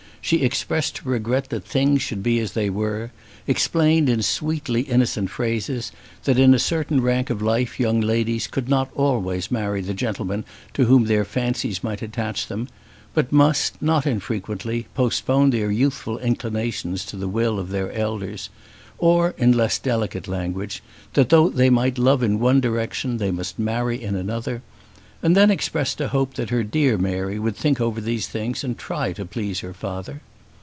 She expressed her regret that things should be as they were, explained in sweetly innocent phrases that in a certain rank of life young ladies could not always marry the gentlemen to whom their fancies might attach them, but must, not unfrequently, postpone their youthful inclinations to the will of their elders, or in less delicate language, that though they might love in one direction they must marry in another; and then expressed a hope that her dear Mary would think over these things and try to please her father.